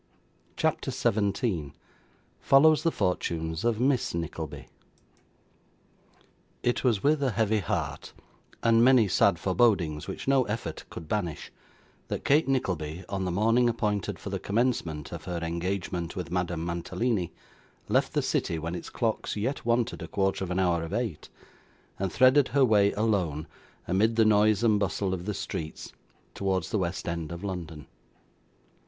CHAPTER 17 Follows the Fortunes of Miss Nickleby It was with a heavy heart, and many sad forebodings which no effort could banish, that Kate Nickleby, on the morning appointed for the commencement of her engagement with Madame Mantalini, left the city when its clocks yet wanted a quarter of an hour of eight, and threaded her way alone, amid the noise and bustle of the streets, towards the west end of London.